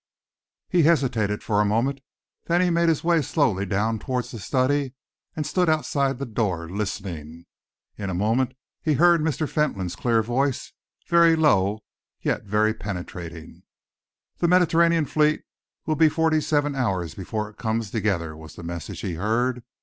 He hesitated for a moment. Then he made his way slowly down towards the study and stood outside the door, listening. In a moment he heard Mr. Fentolin's clear voice, very low yet very penetrating. "The Mediterranean Fleet will be forty seven hours before it comes together," was the message he heard.